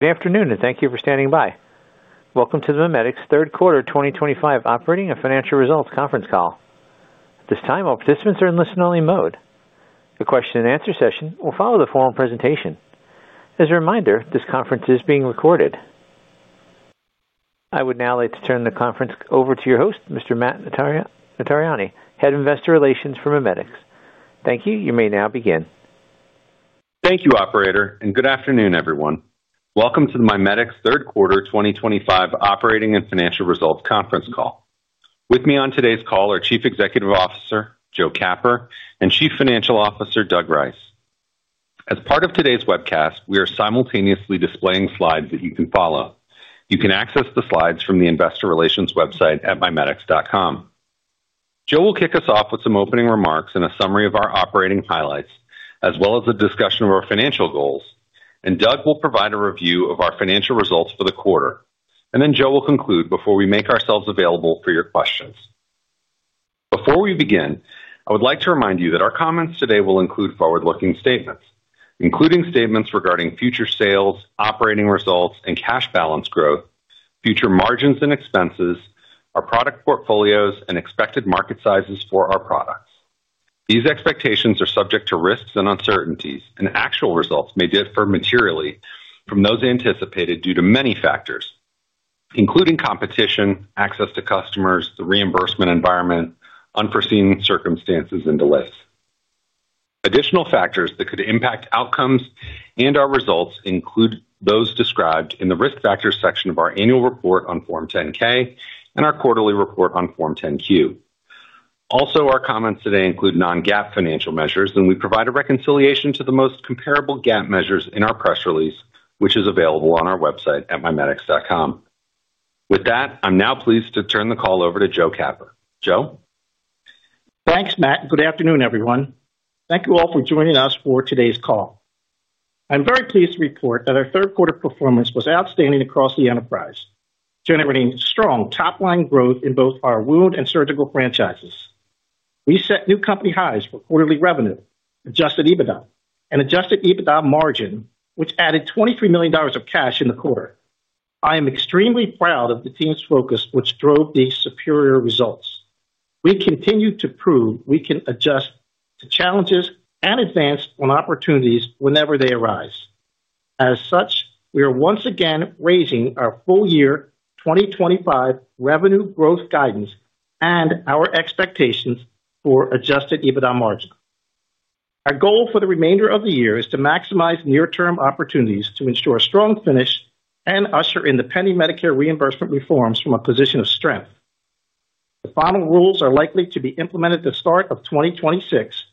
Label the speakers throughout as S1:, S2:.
S1: Good afternoon and thank you for standing by. Welcome to the MiMedx Third Quarter 2025 Operating and Financial Results Conference Call. At this time, all participants are in listen-only mode. The question and answer session will follow the formal presentation. As a reminder, this conference is being recorded. I would now like to turn the conference over to your host, Mr. Matt Notarianni, Head of Investor Relations for MiMedx. Thank you. You may now begin.
S2: Thank you, Operator, and good afternoon, everyone. Welcome to the MiMedx Group Inc. Third Quarter 2025 Operating and Financial Results Conference Call. With me on today's call are Chief Executive Officer, Joseph Capper, and Chief Financial Officer, Douglas Rice. As part of today's webcast, we are simultaneously displaying slides that you can follow. You can access the slides from the Investor Relations website at mimedx.com. Joseph will kick us off with some opening remarks and a summary of our operating highlights, as well as a discussion of our financial goals. Douglas will provide a review of our financial results for the quarter. Joseph will conclude before we make ourselves available for your questions. Before we begin, I would like to remind you that our comments today will include forward-looking statements, including statements regarding future sales, operating results, and cash balance growth, future margins and expenses, our product portfolios, and expected market sizes for our products. These expectations are subject to risks and uncertainties, and actual results may differ materially from those anticipated due to many factors, including competition, access to customers, the reimbursement environment, unforeseen circumstances, and delays. Additional factors that could impact outcomes and our results include those described in the risk factors section of our annual report on Form 10-K and our quarterly report on Form 10-Q. Also, our comments today include non-GAAP financial measures, and we provide a reconciliation to the most comparable GAAP measures in our press release, which is available on our website at mimedx.com. With that, I'm now pleased to turn the call over to Joe Capper. Joe?
S3: Thanks, Matt, and good afternoon, everyone. Thank you all for joining us for today's call. I'm very pleased to report that our third quarter performance was outstanding across the enterprise, generating strong top-line growth in both our wound and surgical franchises. We set new company highs for quarterly revenue, adjusted EBITDA, and adjusted EBITDA margin, which added $23 million of cash in the quarter. I am extremely proud of the team's focus, which drove these superior results. We continue to prove we can adjust to challenges and advance on opportunities whenever they arise. As such, we are once again raising our full-year 2025 revenue growth guidance and our expectations for adjusted EBITDA margin. Our goal for the remainder of the year is to maximize near-term opportunities to ensure a strong finish and usher in the pending Medicare reimbursement reforms from a position of strength. The final rules are likely to be implemented at the start of 2026,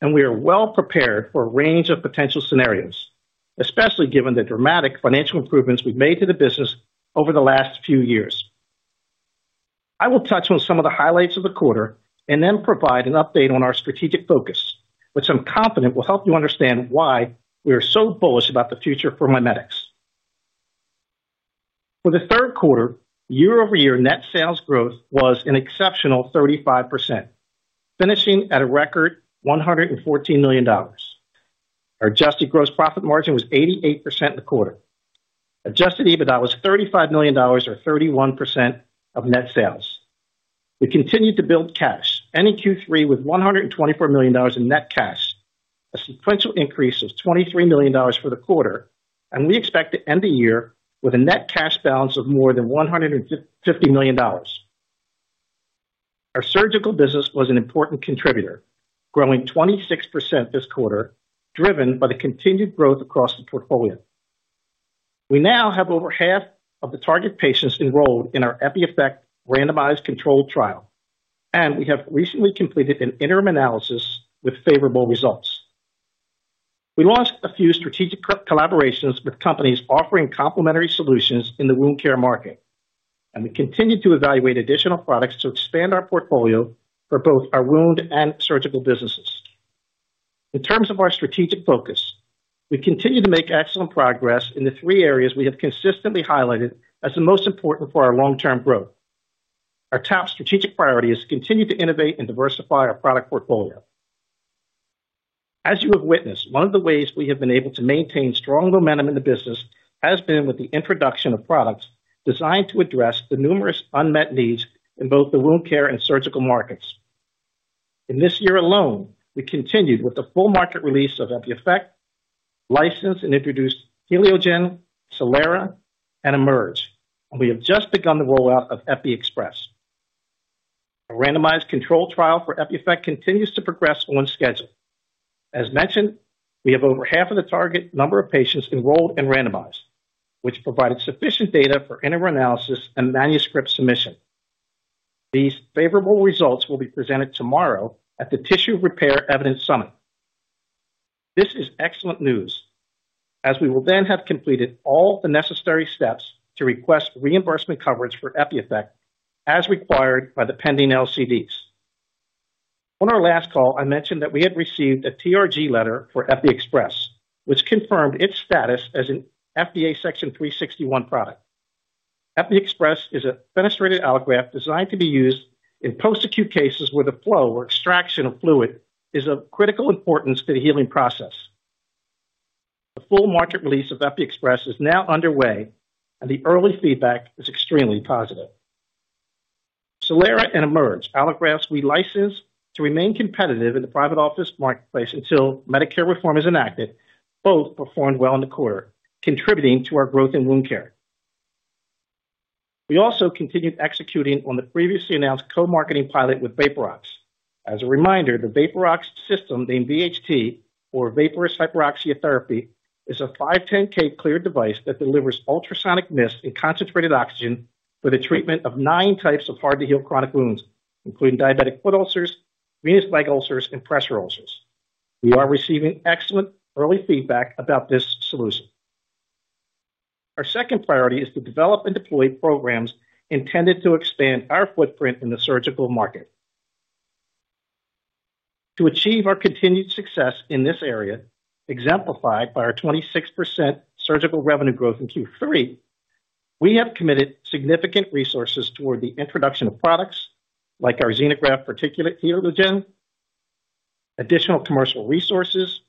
S3: and we are well prepared for a range of potential scenarios, especially given the dramatic financial improvements we've made to the business over the last few years. I will touch on some of the highlights of the quarter and then provide an update on our strategic focus, which I'm confident will help you understand why we are so bullish about the future for MiMedx. For the third quarter, year-over-year net sales growth was an exceptional 35%, finishing at a record $114 million. Our adjusted gross profit margin was 88% in the quarter. Adjusted EBITDA was $35 million, or 31% of net sales. We continued to build cash ending Q3 with $124 million in net cash, a sequential increase of $23 million for the quarter, and we expect to end the year with a net cash balance of more than $150 million. Our surgical business was an important contributor, growing 26% this quarter, driven by the continued growth across the portfolio. We now have over half of the target patients enrolled in our EPIEFFECT randomized controlled trial, and we have recently completed an interim analysis with favorable results. We launched a few strategic collaborations with companies offering complementary solutions in the wound care market, and we continue to evaluate additional products to expand our portfolio for both our wound and surgical businesses. In terms of our strategic focus, we continue to make excellent progress in the three areas we have consistently highlighted as the most important for our long-term growth. Our top strategic priority is to continue to innovate and diversify our product portfolio. As you have witnessed, one of the ways we have been able to maintain strong momentum in the business has been with the introduction of products designed to address the numerous unmet needs in both the wound care and surgical markets. In this year alone, we continued with the full market release of EPIEFFECT licensed, and introduced HELIOGEN, CELERA, and EMERGE, and we have just begun the rollout of EPIXPRESS. A randomized controlled trial for EPIEFFECT continues to progress on schedule. As mentioned, we have over half of the target number of patients enrolled in randomized, which provided sufficient data for interim analysis and manuscript submission. These favorable results will be presented tomorrow at the Tissue Repair Evidence Summit. This is excellent news, as we will then have completed all the necessary steps to request reimbursement coverage for EPIEFFECT as required by the pending LCDs. On our last call, I mentioned that we had received a TRG letter for EPIXPRESS, which confirmed its status as an FDA Section 361 product. EPIXPRESS is a fenestrated allograft designed to be used in post-acute cases where the flow or extraction of fluid is of critical importance to the healing process. The full market release of EPIXPRESS is now underway, and the early feedback is extremely positive. CELERA and EMERGE, allografts we license to remain competitive in the private office marketplace until Medicare reform is enacted, both performed well in the quarter, contributing to our growth in wound care. We also continued executing on the previously announced co-marketing pilot with Vaporox Inc. As a reminder, the Vaporox Inc system, named VHT device, or Vaporous Hyperoxia Therapy, is a 510K cleared device that delivers ultrasonic mist and concentrated oxygen for the treatment of nine types of hard-to-heal chronic wounds, including diabetic foot ulcers, venous leg ulcers, and pressure ulcers. We are receiving excellent early feedback about this solution. Our second priority is to develop and deploy programs intended to expand our footprint in the surgical market. To achieve our continued success in this area, exemplified by our 26% surgical revenue growth in Q3, we have committed significant resources toward the introduction of products like our xenograft particulate HELIOGEN, additional commercial resources,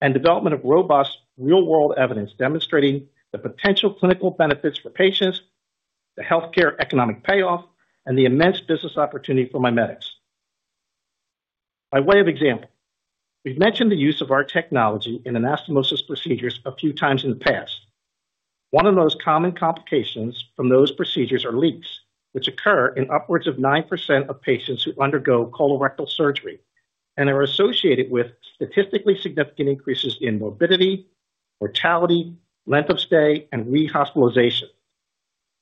S3: and development of robust real-world evidence demonstrating the potential clinical benefits for patients, the healthcare economic payoff, and the immense business opportunity for MiMedx. By way of example, we've mentioned the use of our technology in anastomosis procedures a few times in the past. One of the most common complications from those procedures are leaks, which occur in upwards of 9% of patients who undergo colorectal surgery, and are associated with statistically significant increases in morbidity, mortality, length of stay, and rehospitalization.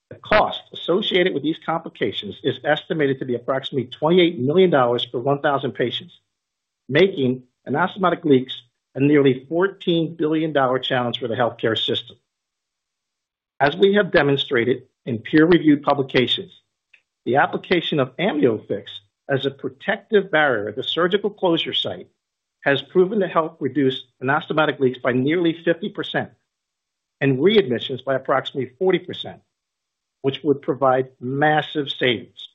S3: The cost associated with these complications is estimated to be approximately $28 million for 1,000 patients, making anastomotic leaks a nearly $14 billion challenge for the healthcare system. As we have demonstrated in peer-reviewed publications, the application of AMNIOFIX as a protective barrier at the surgical closure site has proven to help reduce anastomotic leaks by nearly 50% and readmissions by approximately 40%, which would provide massive savings.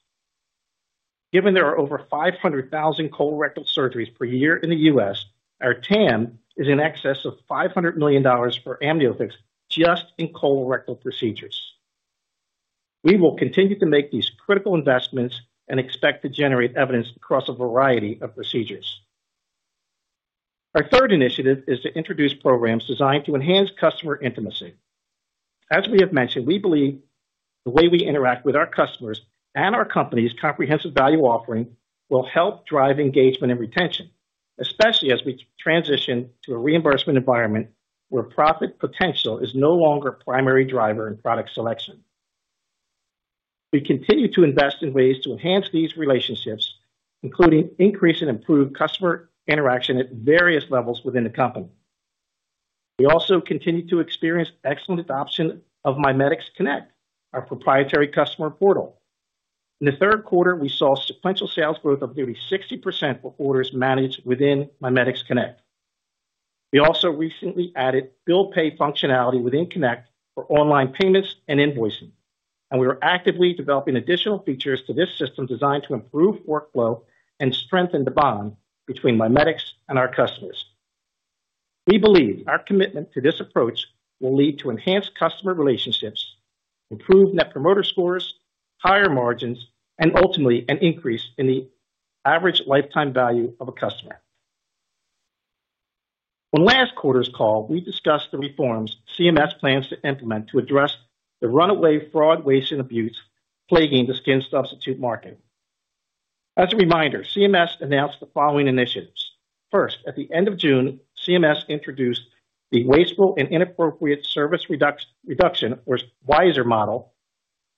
S3: Given there are over 500,000 colorectal surgeries per year in the U.S., our TAM is in excess of $500 million for AMNIOFIX just in colorectal procedures. We will continue to make these critical investments and expect to generate evidence across a variety of procedures. Our third initiative is to introduce programs designed to enhance customer intimacy. As we have mentioned, we believe the way we interact with our customers and our company's comprehensive value offering will help drive engagement and retention, especially as we transition to a reimbursement environment where profit potential is no longer a primary driver in product selection. We continue to invest in ways to enhance these relationships, including increasing improved customer interaction at various levels within the company. We also continue to experience excellent adoption of MiMedx Connect, our proprietary customer portal. In the third quarter, we saw sequential sales growth of nearly 60% for orders managed within MiMedx Connect. We also recently added bill pay functionality within MiMedx Connect for online payments and invoicing, and we are actively developing additional features to this system designed to improve workflow and strengthen the bond between MiMedx and our customers. We believe our commitment to this approach will lead to enhanced customer relationships, improved net promoter scores, higher margins, and ultimately an increase in the average lifetime value of a customer. On last quarter's call, we discussed the reforms CMS plans to implement to address the runaway fraud, waste, and abuse plaguing the skin substitute market. As a reminder, CMS announced the following initiatives. First, at the end of June, CMS introduced the Wasteful and Inappropriate Service Reduction, or WISR, model,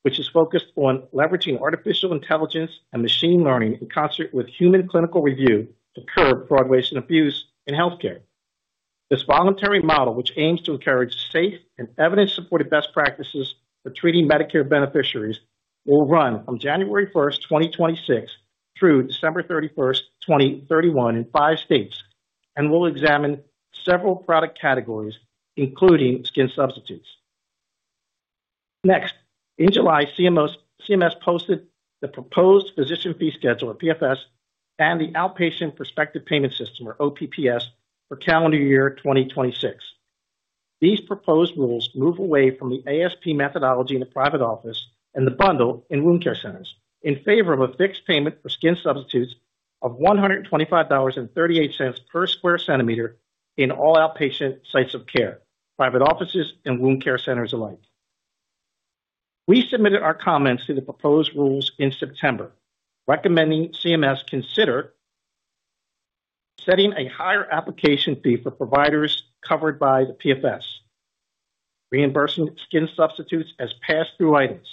S3: which is focused on leveraging artificial intelligence and machine learning in concert with human clinical review to curb fraud, waste, and abuse in healthcare. This voluntary model, which aims to encourage safe and evidence-supported best practices for treating Medicare beneficiaries, will run from January 1, 2026, through December 31, 2031, in five states and will examine several product categories, including skin substitutes. Next, in July, CMS posted the proposed Physician Fee Schedule, or PFS, and the Outpatient Prospective Payment System, or OPPS, for calendar year 2026. These proposed rules move away from the ASP methodology in the private office and the bundle in wound care centers in favor of a fixed payment for skin substitutes of $125.38 per square centimeter in all outpatient sites of care, private offices and wound care centers alike. We submitted our comments to the proposed rules in September, recommending CMS consider setting a higher application fee for providers covered by the PFS, reimbursing skin substitutes as pass-through items,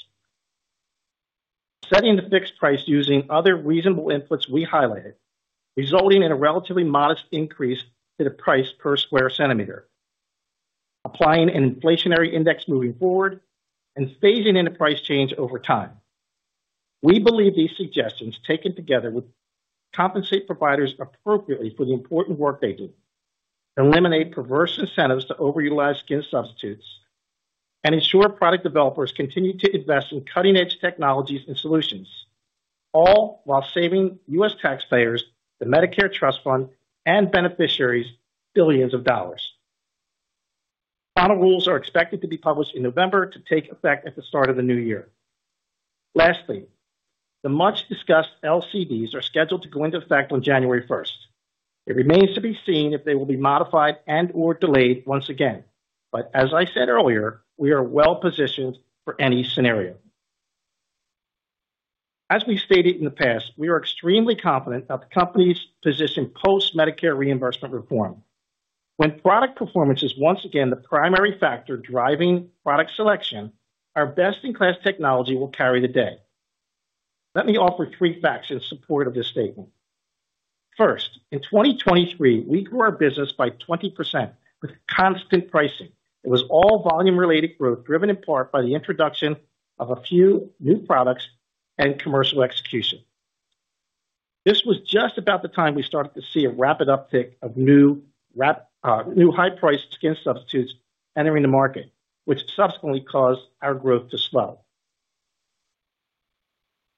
S3: setting the fixed price using other reasonable inputs we highlighted, resulting in a relatively modest increase to the price per square centimeter, applying an inflationary index moving forward, and phasing in a price change over time. We believe these suggestions, taken together, would compensate providers appropriately for the important work they do, eliminate perverse incentives to overutilize skin substitutes, and ensure product developers continue to invest in cutting-edge technologies and solutions, all while saving U.S. taxpayers, the Medicare trust fund, and beneficiaries billions of dollars. Final rules are expected to be published in November to take effect at the start of the new year. Lastly, the much-discussed LCDs are scheduled to go into effect on January 1. It remains to be seen if they will be modified and/or delayed once again, but as I said earlier, we are well positioned for any scenario. As we've stated in the past, we are extremely confident about the company's position post-Medicare reimbursement reform. When product performance is once again the primary factor driving product selection, our best-in-class technology will carry the day. Let me offer three facts in support of this statement. First, in 2023, we grew our business by 20% with constant pricing. It was all volume-related growth, driven in part by the introduction of a few new products and commercial execution. This was just about the time we started to see a rapid uptick of new high-priced skin substitutes entering the market, which subsequently caused our growth to slow.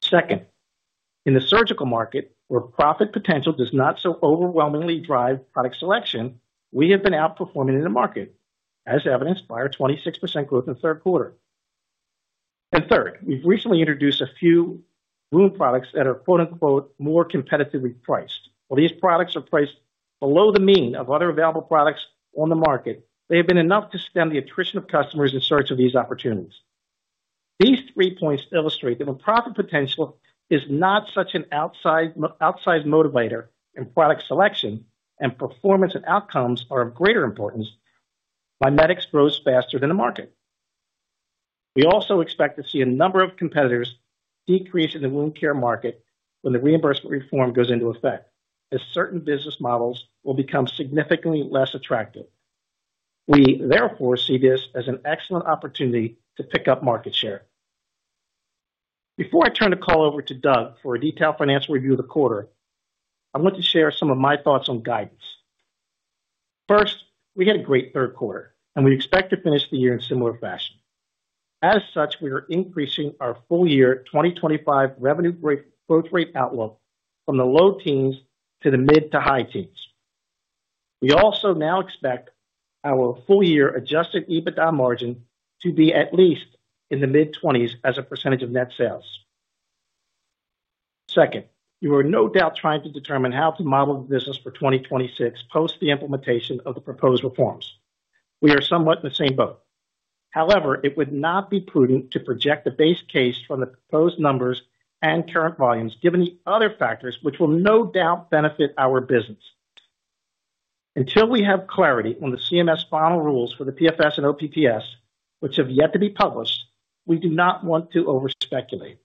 S3: Second, in the surgical market, where profit potential does not so overwhelmingly drive product selection, we have been outperforming in the market, as evidenced by our 26% growth in the third quarter. Third, we've recently introduced a few wound products that are, quote unquote, "more competitively priced." While these products are priced below the mean of other available products on the market, they have been enough to stem the attrition of customers in search of these opportunities. These three points illustrate that when profit potential is not such an outside motivator in product selection and performance and outcomes are of greater importance, MiMedx grows faster than the market. We also expect to see a number of competitors decrease in the wound care market when the reimbursement reform goes into effect, as certain business models will become significantly less attractive. We therefore see this as an excellent opportunity to pick up market share. Before I turn the call over to Doug for a detailed financial review of the quarter, I want to share some of my thoughts on guidance. First, we had a great third quarter, and we expect to finish the year in a similar fashion. As such, we are increasing our full-year 2025 revenue growth rate outlook from the low teens to the mid to high teens. We also now expect our full-year adjusted EBITDA margin to be at least in the mid-20% as a percentage of net sales. Second, you are no doubt trying to determine how to model the business for 2026 post the implementation of the proposed reforms. We are somewhat in the same boat. However, it would not be prudent to project the base case from the proposed numbers and current volumes, given the other factors which will no doubt benefit our business. Until we have clarity on the CMS final rules for the PFS and OPPS, which have yet to be published, we do not want to overspeculate.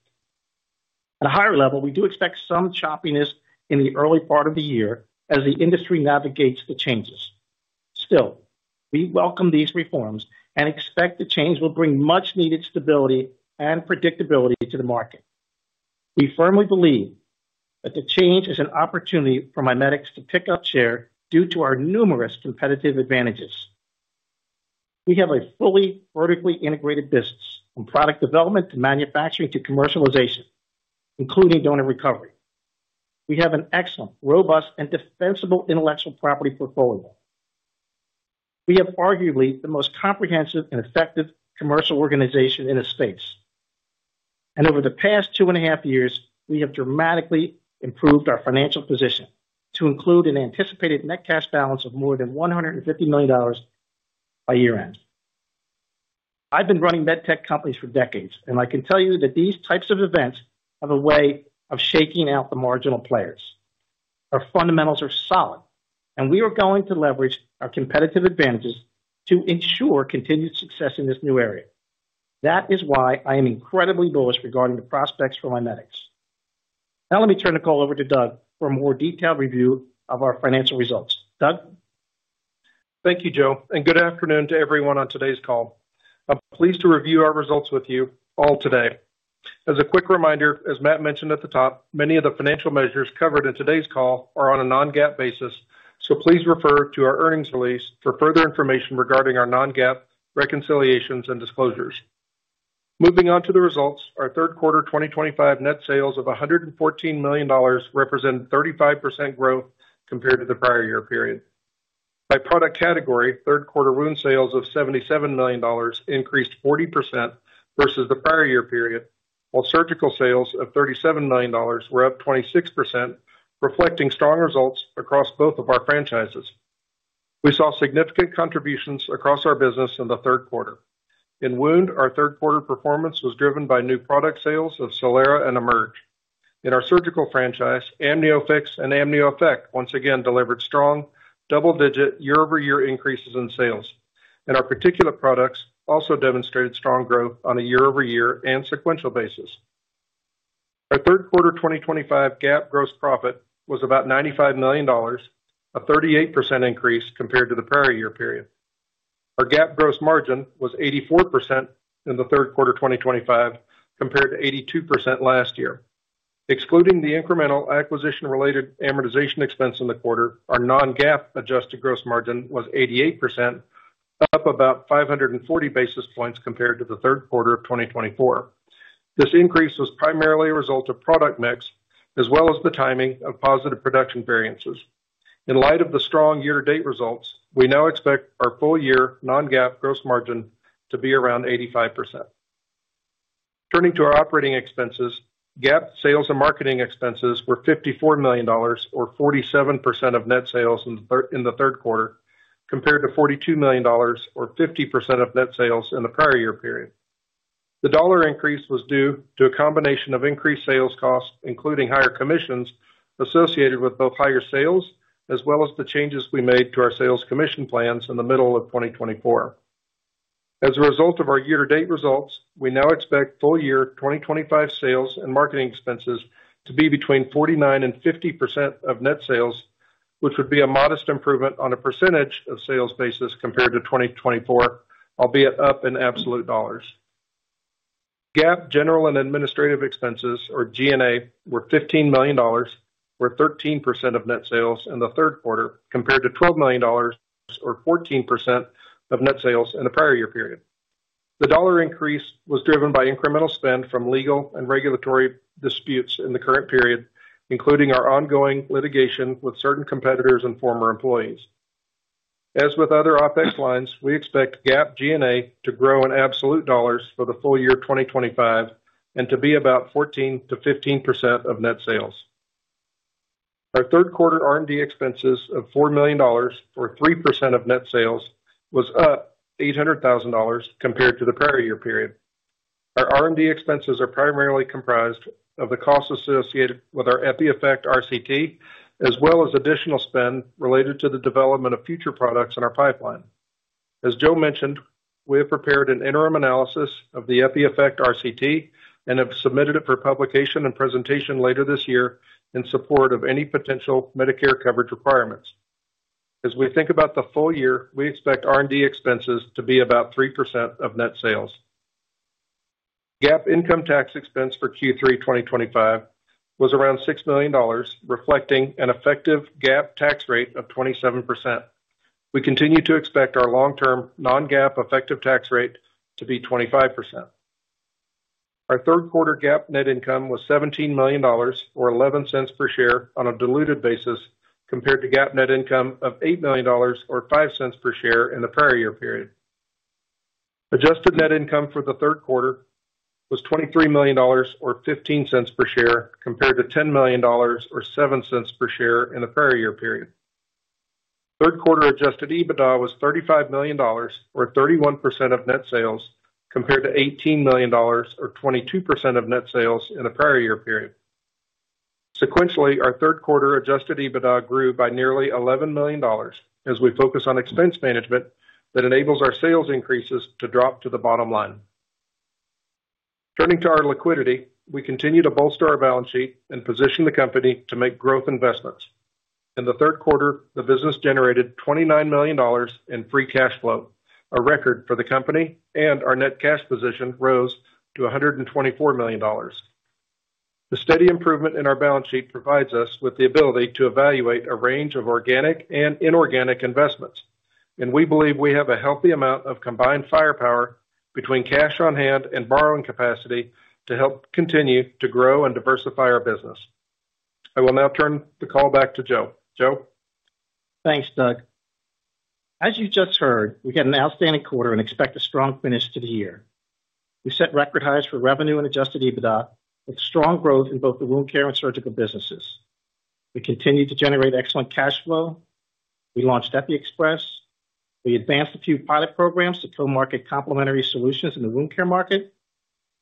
S3: At a higher level, we do expect some choppiness in the early part of the year as the industry navigates the changes. Still, we welcome these reforms and expect the change will bring much-needed stability and predictability to the market. We firmly believe that the change is an opportunity for MiMedx to pick up share due to our numerous competitive advantages. We have a fully vertically integrated business, from product development to manufacturing to commercialization, including donor recovery. We have an excellent, robust, and defensible intellectual property portfolio. We have arguably the most comprehensive and effective commercial organization in the space. Over the past two and a half years, we have dramatically improved our financial position to include an anticipated net cash balance of more than $150 million by year-end. I've been running medtech companies for decades, and I can tell you that these types of events have a way of shaking out the marginal players. Our fundamentals are solid, and we are going to leverage our competitive advantages to ensure continued success in this new area. That is why I am incredibly bullish regarding the prospects for MiMedx. Now let me turn the call over to Doug for a more detailed review of our financial results. Doug?
S4: Thank you, Joe, and good afternoon to everyone on today's call. I'm pleased to review our results with you all today. As a quick reminder, as Matt mentioned at the top, many of the financial measures covered in today's call are on a non-GAAP basis, so please refer to our earnings release for further information regarding our non-GAAP reconciliations and disclosures. Moving on to the results, our third quarter 2025 net sales of $114 million represented 35% growth compared to the prior year period. By product category, third quarter wound sales of $77 million increased 40% versus the prior year period, while surgical sales of $37 million were up 26%, reflecting strong results across both of our franchises. We saw significant contributions across our business in the third quarter. In wound, our third quarter performance was driven by new product sales of CELERA and EMERGE. In our surgical franchise, AMNIOFIX and AMNIOEFFECT once again delivered strong double-digit year-over-year increases in sales, and our particular products also demonstrated strong growth on a year-over-year and sequential basis. Our third quarter 2025 GAAP gross profit was about $95 million, a 38% increase compared to the prior year period. Our GAAP gross margin was 84% in the third quarter 2025 compared to 82% last year. Excluding the incremental acquisition-related amortization expense in the quarter, our non-GAAP adjusted gross margin was 88%, up about 540 basis points compared to the third quarter of 2024. This increase was primarily a result of product mix as well as the timing of positive production variances. In light of the strong year-to-date results, we now expect our full-year non-GAAP gross margin to be around 85%. Turning to our operating expenses, GAAP sales and marketing expenses were $54 million, or 47% of net sales in the third quarter, compared to $42 million, or 50% of net sales in the prior year period. The dollar increase was due to a combination of increased sales costs, including higher commissions associated with both higher sales as well as the changes we made to our sales commission plans in the middle of 2024. As a result of our year-to-date results, we now expect full-year 2025 sales and marketing expenses to be between 49% and 50% of net sales, which would be a modest improvement on a percentage of sales basis compared to 2024, albeit up in absolute dollars. GAAP general and administrative expenses, or G&A, were $15 million, or 13% of net sales in the third quarter, compared to $12 million, or 14% of net sales in the prior year period. The dollar increase was driven by incremental spend from legal and regulatory disputes in the current period, including our ongoing litigation with certain competitors and former employees. As with other OpEx lines, we expect GAAP G&A to grow in absolute dollars for the full year 2025 and to be about 14%-15% of net sales. Our third quarter R&D expenses of $4 million, or 3% of net sales, were up $800,000 compared to the prior year period. Our R&D expenses are primarily comprised of the costs associated with our EPIEFFECT randomized controlled trial, as well as additional spend related to the development of future products in our pipeline. As Joe mentioned, we have prepared an interim analysis of the EPIEFFECT randomized controlled trial and have submitted it for publication and presentation later this year in support of any potential Medicare coverage requirements. As we think about the full year, we expect R&D expenses to be about 3% of net sales. GAAP income tax expense for Q3 2025 was around $6 million, reflecting an effective GAAP tax rate of 27%. We continue to expect our long-term non-GAAP effective tax rate to be 25%. Our third quarter GAAP net income was $17 million, or $0.11 per share on a diluted basis, compared to GAAP net income of $8 million, or $0.05 per share in the prior year period. Adjusted net income for the third quarter was $23 million, or $0.15 per share, compared to $10 million, or $0.07 per share in the prior year period. Third quarter adjusted EBITDA was $35 million, or 31% of net sales, compared to $18 million, or 22% of net sales in the prior year period. Sequentially, our third quarter adjusted EBITDA grew by nearly $11 million, as we focus on expense management that enables our sales increases to drop to the bottom line. Turning to our liquidity, we continue to bolster our balance sheet and position the company to make growth investments. In the third quarter, the business generated $29 million in free cash flow, a record for the company, and our net cash position rose to $124 million. The steady improvement in our balance sheet provides us with the ability to evaluate a range of organic and inorganic investments, and we believe we have a healthy amount of combined firepower between cash on hand and borrowing capacity to help continue to grow and diversify our business. I will now turn the call back to Joe. Joe?
S3: Thanks, Doug. As you just heard, we had an outstanding quarter and expect a strong finish to the year. We set record highs for revenue and adjusted EBITDA, with strong growth in both the wound care and surgical businesses. We continue to generate excellent cash flow. We launched EPIXPRESS. We advanced a few pilot programs to co-market complementary solutions in the wound care market,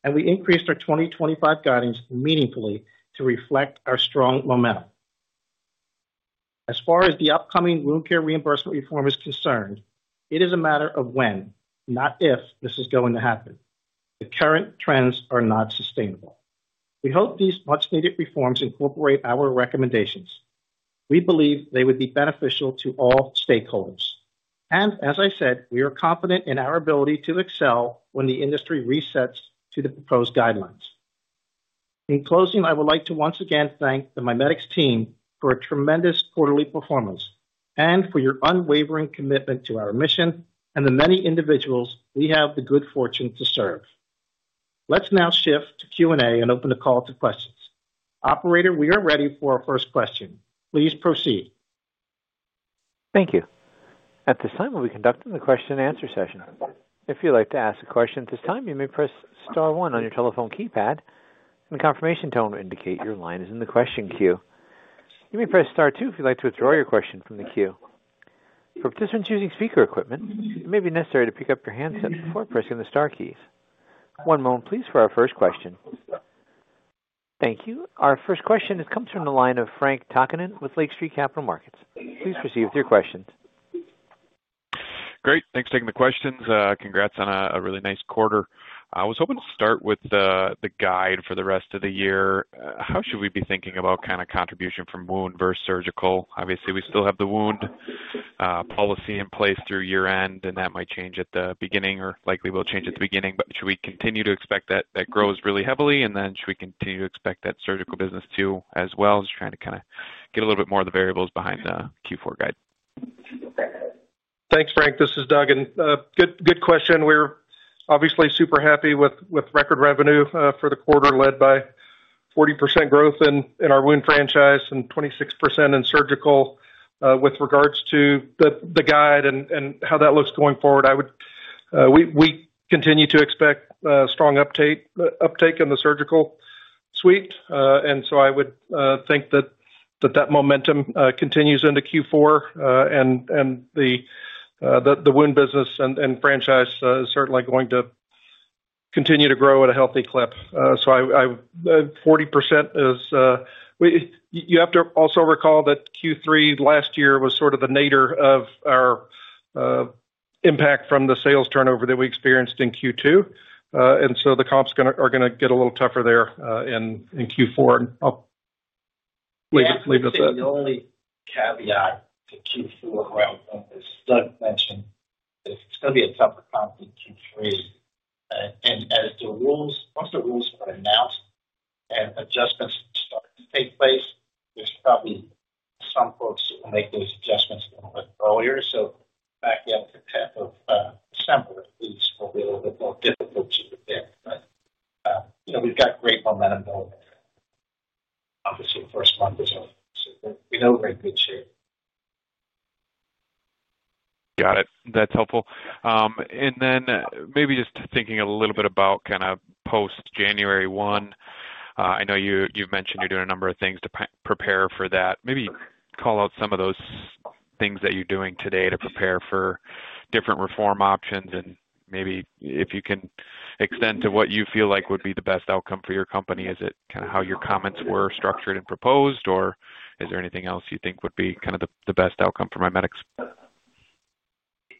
S3: and we increased our 2025 guidance meaningfully to reflect our strong momentum. As far as the upcoming wound care reimbursement reform is concerned, it is a matter of when, not if, this is going to happen. The current trends are not sustainable. We hope these much-needed reforms incorporate our recommendations. We believe they would be beneficial to all stakeholders. As I said, we are confident in our ability to excel when the industry resets to the proposed guidelines. In closing, I would like to once again thank the MiMedx team for a tremendous quarterly performance and for your unwavering commitment to our mission and the many individuals we have the good fortune to serve. Let's now shift to Q&A and open the call to questions. Operator, we are ready for our first question. Please proceed.
S1: Thank you. At this time, we'll be conducting the question and answer session. If you'd like to ask a question at this time, you may press star one on your telephone keypad, and the confirmation tone will indicate your line is in the question queue. You may press star two if you'd like to withdraw your question from the queue. For participants using speaker equipment, it may be necessary to pick up your handset before pressing the star keys. One moment, please, for our first question. Thank you. Our first question comes from the line of Frank Takkinen with Lake Street Capital Markets. Please proceed with your questions.
S5: Great. Thanks for taking the questions. Congrats on a really nice quarter. I was hoping to start with the guide for the rest of the year. How should we be thinking about kind of contribution from wound versus surgical? Obviously, we still have the wound policy in place through year-end, and that might change at the beginning or likely will change at the beginning. Should we continue to expect that that grows really heavily, and should we continue to expect that surgical business too as well? Just trying to kind of get a little bit more of the variables behind the Q4 guide.
S4: Thanks, Frank. This is Doug. Good question. We're obviously super happy with record revenue for the quarter led by 40% growth in our wound franchise and 26% in surgical. With regards to the guide and how that looks going forward, we continue to expect strong uptake in the surgical suite. I would think that momentum continues into Q4, and the wound business and franchise is certainly going to continue to grow at a healthy clip. 40% is, you have to also recall that Q3 last year was sort of the nadir of our impact from the sales turnover that we experienced in Q2. The comps are going to get a little tougher there in Q4. I'll leave it at that.
S3: The only caveat to Q4 growth is Doug mentioned that it's going to be a tougher comp in Q3. As the rules, once the rules are announced and adjustments start to take place, there's probably some folks who will make those adjustments a little bit earlier. Backing up to 10th of December, these will be a little bit more difficult to prepare. You know we've got great momentum going there. Obviously, the first month is over, so we know we're in good shape.
S5: Got it. That's helpful. Maybe just thinking a little bit about kind of post-January 1. I know you've mentioned you're doing a number of things to prepare for that. Maybe call out some of those things that you're doing today to prepare for different reform options. Maybe if you can extend to what you feel like would be the best outcome for your company, is it kind of how your comments were structured and proposed, or is there anything else you think would be kind of the best outcome for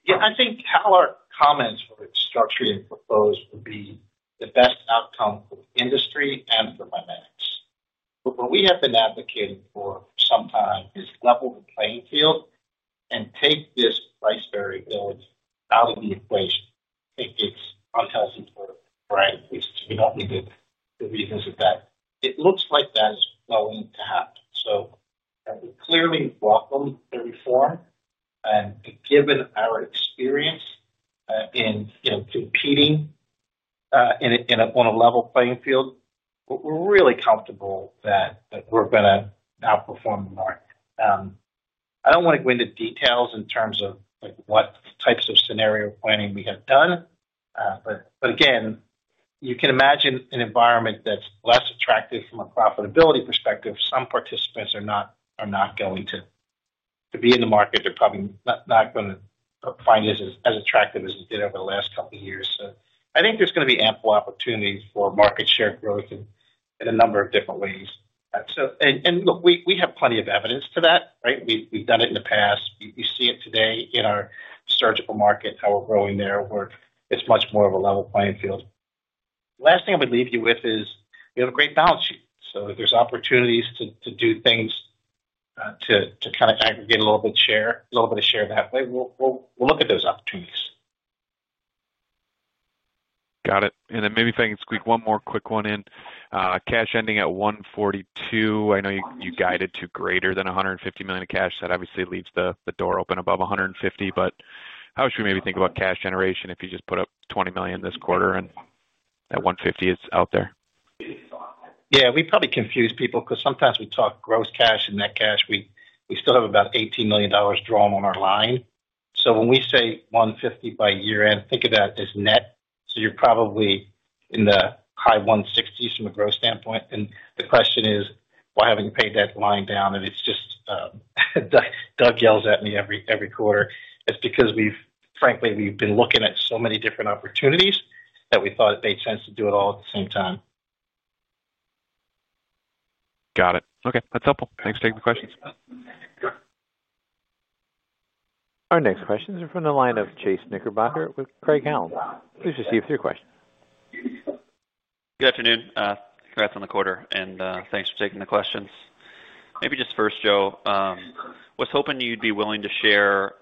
S5: MiMedx?
S3: I think how our comments were structured and proposed would be the best outcome for the industry and for MiMedx. What we have been advocating for for some time is level the playing field and take this price variability out of the equation. Take its unhealthy variability. We don't need to revisit that. It looks like that is going to happen. We clearly welcome the reform. Given our experience in competing on a level playing field, we're really comfortable that we're going to outperform the market. I don't want to go into details in terms of what types of scenario planning we have done. You can imagine an environment that's less attractive from a profitability perspective. Some participants are not going to be in the market. They're probably not going to find it as attractive as it did over the last couple of years. I think there's going to be ample opportunity for market share growth in a number of different ways. We have plenty of evidence to that, right? We've done it in the past. You see it today in our surgical market, how we're growing there, where it's much more of a level playing field. The last thing I would leave you with is we have a great balance sheet. There's opportunities to do things to kind of aggregate a little bit of share that way. We'll look at those opportunities.
S5: Got it. If I can squeak one more quick one in, cash ending at $142 million. I know you guided to greater than $150 million in cash. That obviously leaves the door open above $150 million. How should we maybe think about cash generation if you just put up $20 million this quarter and at $150 million is out there?
S3: Yeah. We probably confuse people because sometimes we talk gross cash and net cash. We still have about $18 million drawn on our line. When we say $150 million by year-end, think of that as net. You're probably in the high $160 million range from a gross standpoint. The question is, why haven't you paid that line down? It's just Doug yells at me every quarter. It's because we've, frankly, been looking at so many different opportunities that we thought it made sense to do it all at the same time.
S5: Got it. Okay, that's helpful. Thanks for taking the questions.
S1: Our next questions are from the line of Chase Knickerbocker with Craig-Hallum. Please proceed with your question.
S6: Good afternoon. Congrats on the quarter, and thanks for taking the questions. Maybe just first, Joe, was hoping you'd be willing to share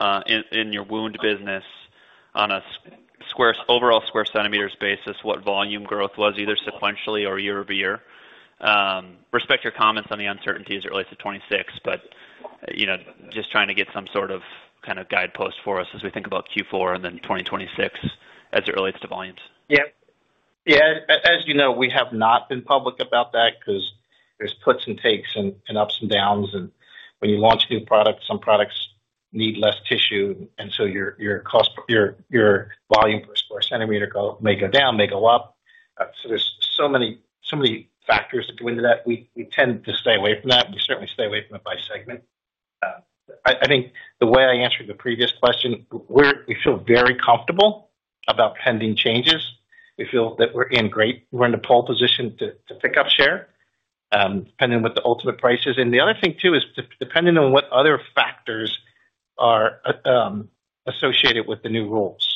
S6: in your wound business on an overall square centimeters basis what volume growth was, either sequentially or year-over-year. Respect your comments on the uncertainties as it relates to 2026, but you know, just trying to get some sort of kind of guidepost for us as we think about Q4 and then 2026 as it relates to volumes.
S3: As you know, we have not been public about that because there's puts and takes and ups and downs. When you launch new products, some products need less tissue, and so your volume per square centimeter may go down, may go up. There are so many factors that go into that. We tend to stay away from that. We certainly stay away from it by segment. I think the way I answered the previous question, we feel very comfortable about pending changes. We feel that we're in great, we're in a pole position to pick up share, depending on what the ultimate price is. The other thing, too, is depending on what other factors are associated with the new rules.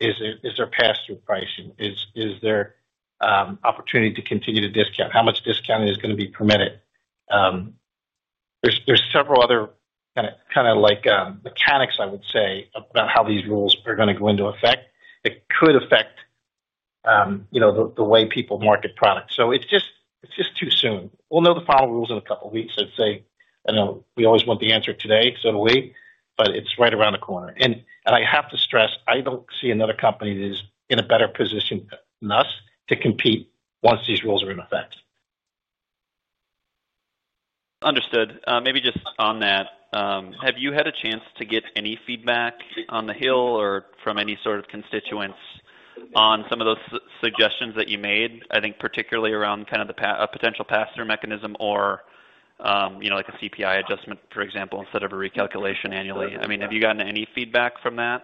S3: Is there pass-through pricing? Is there opportunity to continue to discount? How much discounting is going to be permitted? There are several other mechanics, I would say, about how these rules are going to go into effect that could affect the way people market products. It's just too soon. We'll know the final rules in a couple of weeks, I'd say. I know we always want the answer today, so do we, but it's right around the corner. I have to stress, I don't see another company that is in a better position than us to compete once these rules are in effect.
S6: Understood. Maybe just on that, have you had a chance to get any feedback on the Hill or from any sort of constituents on some of those suggestions that you made? I think particularly around kind of a potential pass-through mechanism or, you know, like a CPI adjustment, for example, instead of a recalculation annually. I mean, have you gotten any feedback from that?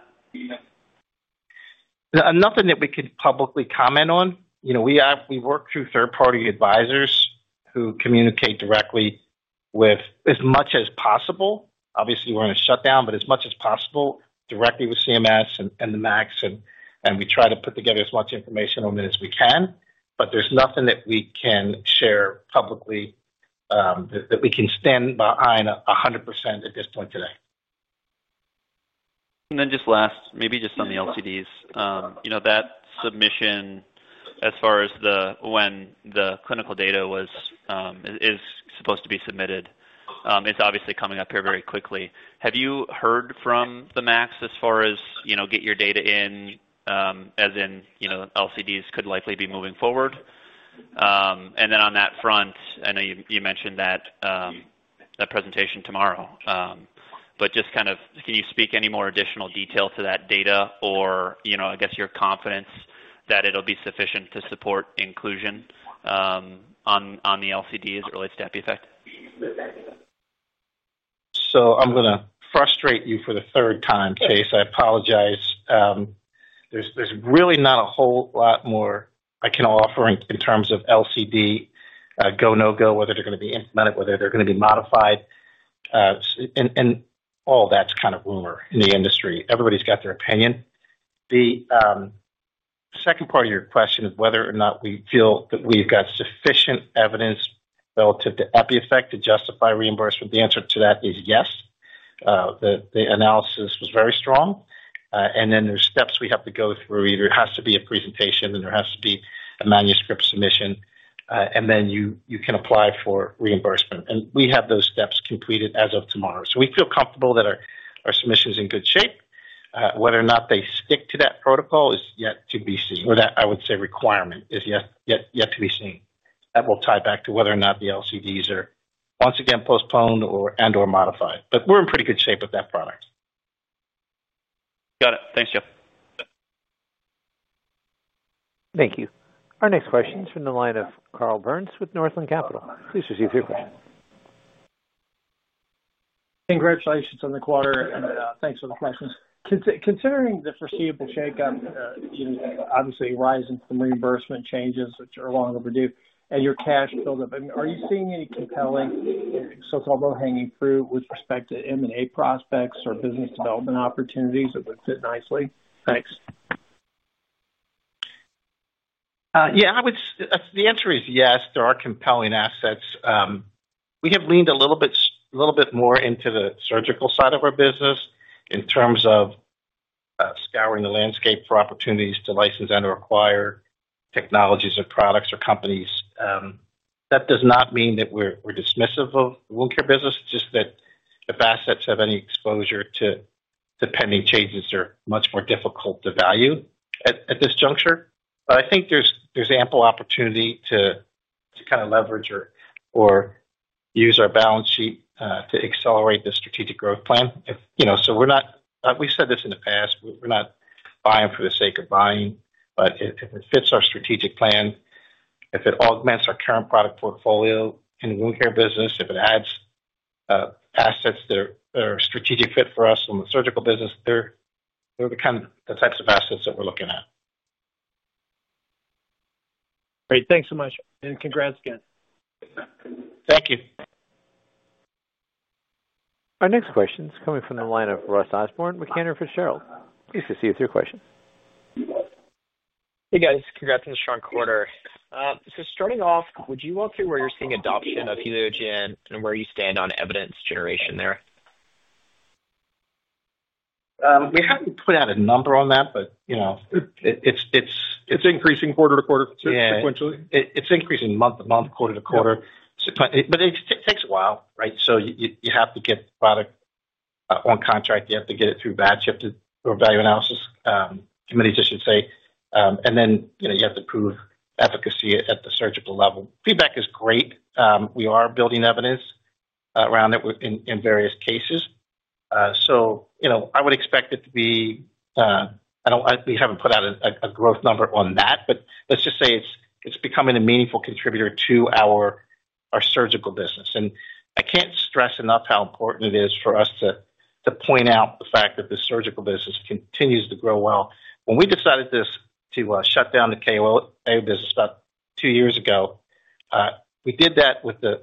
S3: Nothing that we could publicly comment on. You know, we work through third-party advisors who communicate directly with, as much as possible, obviously, we're in a shutdown, but as much as possible, directly with CMS and the MACs. We try to put together as much information on it as we can, but there's nothing that we can share publicly that we can stand behind 100% at this point today.
S6: Just last, maybe just on the LCDs, you know, that submission as far as when the clinical data was supposed to be submitted is obviously coming up here very quickly. Have you heard from the MACs as far as, you know, get your data in, as in, you know, LCDs could likely be moving forward? On that front, I know you mentioned that presentation tomorrow, but just kind of, can you speak any more additional detail to that data or, you know, I guess your confidence that it'll be sufficient to support inclusion on the LCD as it relates to EPIEFFECT?
S3: I'm going to frustrate you for the third time, Chase. I apologize. There's really not a whole lot more I can offer in terms of LCD, go/no-go, whether they're going to be implemented, whether they're going to be modified. All that's kind of rumor in the industry. Everybody's got their opinion. The second part of your question is whether or not we feel that we've got sufficient evidence relative to EPIEFFECT to justify reimbursement. The answer to that is yes. The analysis was very strong, and then there are steps we have to go through. Either it has to be a presentation, and there has to be a manuscript submission, and then you can apply for reimbursement. We have those steps completed as of tomorrow. We feel comfortable that our submission is in good shape. Whether or not they stick to that protocol is yet to be seen, or that, I would say, requirement is yet to be seen. That will tie back to whether or not the LCDs are, once again, postponed and/or modified. We're in pretty good shape with that product.
S6: Got it. Thanks, Joe.
S1: Thank you. Our next question is from the line of Carl Byrnes with Northland Capital. Please proceed with your question.
S7: Congratulations on the quarter, and thanks for the questions. Considering the foreseeable shakeup, obviously, rising from reimbursement changes, which are long overdue, and your cash buildup, are you seeing any compelling so-called low-hanging fruit with respect to M&A prospects or business development opportunities that would fit nicely? Thanks.
S3: Yeah. The answer is yes. There are compelling assets. We have leaned a little bit more into the surgical side of our business in terms of scouring the landscape for opportunities to license and/or acquire technologies or products or companies. That does not mean that we're dismissive of the wound care business. It's just that if assets have any exposure to pending changes, they're much more difficult to value at this juncture. I think there's ample opportunity to kind of leverage or use our balance sheet to accelerate the strategic growth plan. We've said this in the past. We're not buying for the sake of buying. If it fits our strategic plan, if it augments our current product portfolio in the wound care business, if it adds assets that are a strategic fit for us in the surgical business, they're the types of assets that we're looking at.
S7: Great, thanks so much. Congrats again.
S3: Thank you.
S1: Our next question is coming from the line of Ross Osborn with Cantor Fitzgerald. Please proceed with your question.
S8: Hey, guys. Congrats on the strong quarter. Would you walk through where you're seeing adoption of HELIOGEN and where you stand on evidence generation there?
S3: We haven't put out a number on that, you know.
S8: It's increasing quarter to quarter, sequentially?
S3: It's increasing month to month, quarter to quarter. It takes a while, right? You have to get the product on contract. You have to get it through batch. You have to do a value analysis, committees, I should say. You have to prove efficacy at the surgical level. Feedback is great. We are building evidence around it in various cases. I would expect it to be, I don't, we haven't put out a growth number on that, but let's just say it's becoming a meaningful contributor to our surgical business. I can't stress enough how important it is for us to point out the fact that the surgical business continues to grow well. When we decided to shut down the KOA business about two years ago, we did that with the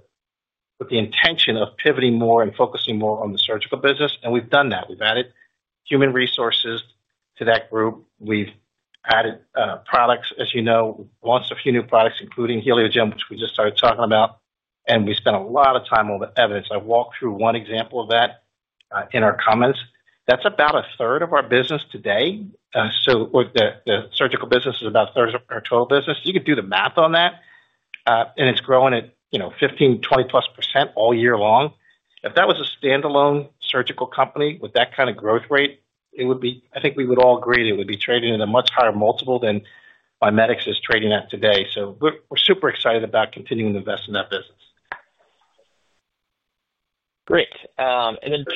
S3: intention of pivoting more and focusing more on the surgical business. We've done that. We've added human resources to that group. We've added products, as you know, we've launched a few new products, including HELIOGEN, which we just started talking about. We spent a lot of time on the evidence. I walked through one example of that in our comments. That's about a third of our business today. The surgical business is about a third of our total business. You could do the math on that. It's growing at 15%, 20% plus all year long. If that was a standalone surgical company with that kind of growth rate, I think we would all agree that it would be traded at a much higher multiple than MiMedx is trading at today. We're super excited about continuing to invest in that business.
S8: Great.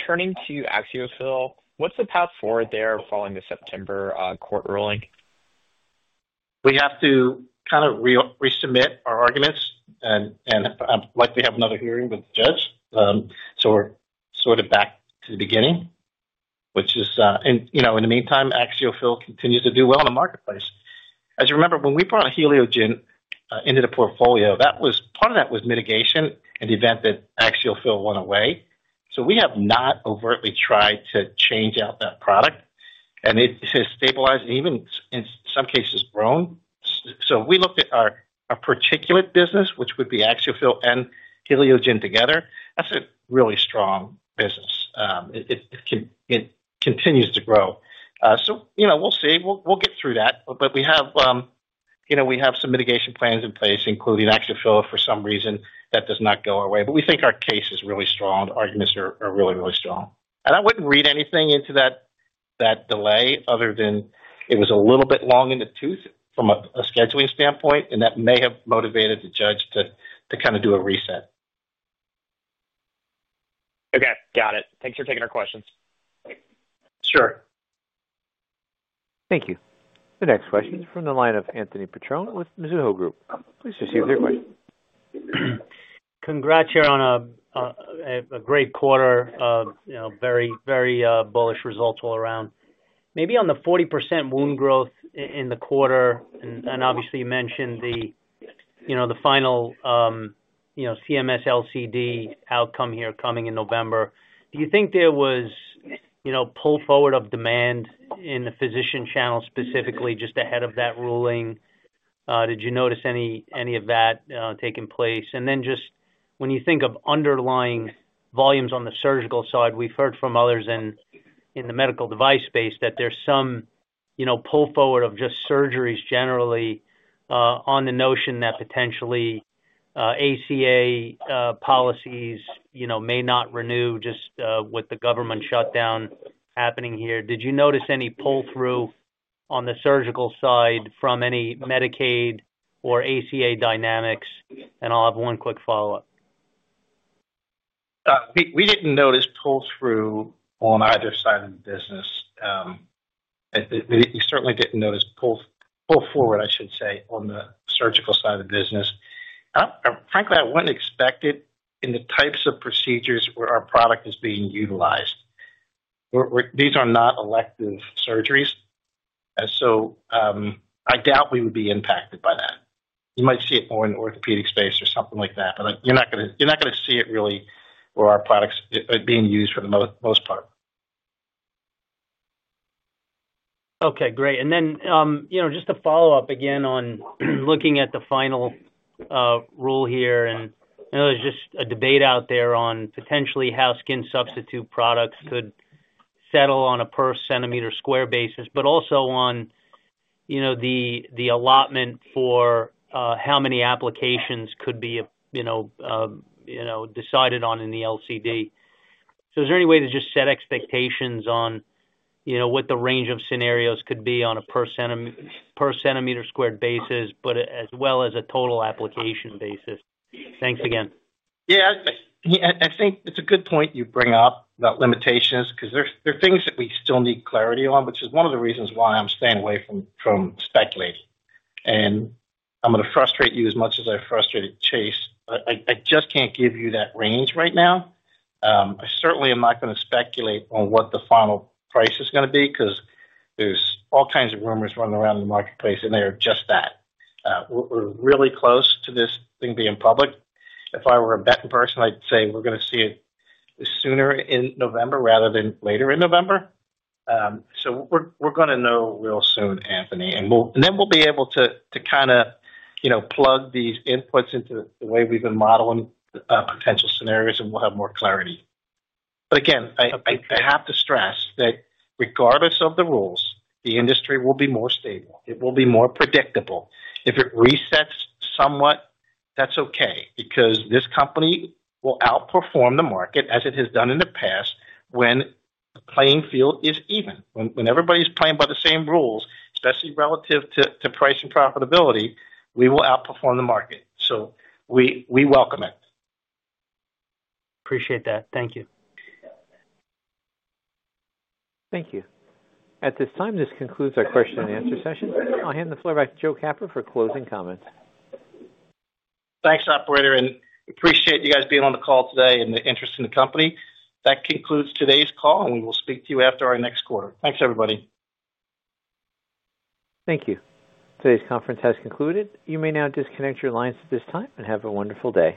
S8: Turning to AXIOFILL, what's the path forward there following the September court ruling?
S3: We have to kind of resubmit our arguments and likely have another hearing with the judge. We're sort of back to the beginning, which is, and you know, in the meantime, AXIOFILL continues to do well in the marketplace. As you remember, when we brought HELIOGEN into the portfolio, part of that was mitigation in the event that AXIOFILL went away. We have not overtly tried to change out that product, and it has stabilized and even, in some cases, grown. If we looked at our particulate business, which would be AXIOFILL and HELIOGEN together, that's a really strong business. It continues to grow. You know, we'll see. We'll get through that. We have some mitigation plans in place, including AXIOFILL, if for some reason that does not go our way. We think our case is really strong. The arguments are really, really strong. I wouldn't read anything into that delay other than it was a little bit long in the tooth from a scheduling standpoint, and that may have motivated the judge to kind of do a reset.
S8: Okay, got it. Thanks for taking our questions.
S3: Sure.
S1: Thank you. The next question is from the line of Anthony Petrone with Mizuho Group. Please proceed with your question.
S9: Congrats here on a great quarter, you know, very, very bullish results all around. Maybe on the 40% wound growth in the quarter, and obviously, you mentioned the final CMS LCD outcome here coming in November. Do you think there was pull forward of demand in the physician channel specifically just ahead of that ruling? Did you notice any of that taking place? When you think of underlying volumes on the surgical side, we've heard from others in the medical device space that there's some pull forward of just surgeries generally, on the notion that potentially ACA policies may not renew just with the government shutdown happening here. Did you notice any pull-through on the surgical side from any Medicaid or ACA dynamics? I'll have one quick follow-up.
S3: We didn't notice pull-through on either side of the business. We certainly didn't notice pull forward, I should say, on the surgical side of the business. Frankly, I wouldn't expect it in the types of procedures where our product is being utilized. These are not elective surgeries, so I doubt we would be impacted by that. You might see it more in the orthopedic space or something like that, but you're not going to see it really where our products are being used for the most part.
S9: Okay. Great. Just to follow up again on looking at the final rule here, I know there's a debate out there on potentially how skin substitute products could settle on a per centimeter squared basis, but also on the allotment for how many applications could be decided on in the LCD. Is there any way to set expectations on what the range of scenarios could be on a per centimeter squared basis, as well as a total application basis? Thanks again.
S3: Yeah. I think it's a good point you bring up about limitations because there are things that we still need clarity on, which is one of the reasons why I'm staying away from speculating. I'm going to frustrate you as much as I frustrated Chase. I just can't give you that range right now. I certainly am not going to speculate on what the final price is going to be because there's all kinds of rumors running around in the marketplace, and they are just that. We're really close to this thing being public. If I were a betting person, I'd say we're going to see it sooner in November rather than later in November. We're going to know real soon, Anthony. Then we'll be able to kind of, you know, plug these inputs into the way we've been modeling potential scenarios, and we'll have more clarity. Again, I have to stress that regardless of the rules, the industry will be more stable. It will be more predictable. If it resets somewhat, that's okay because this company will outperform the market as it has done in the past when the playing field is even. When everybody's playing by the same rules, especially relative to price and profitability, we will outperform the market. We welcome it.
S9: Appreciate that. Thank you.
S1: Thank you. At this time, this concludes our question and answer session. I'll hand the floor back to Joseph Capper for closing comments.
S3: Thanks, Operator, and appreciate you guys being on the call today and the interest in the company. That concludes today's call, and we will speak to you after our next quarter. Thanks, everybody.
S1: Thank you. Today's conference has concluded. You may now disconnect your lines at this time and have a wonderful day.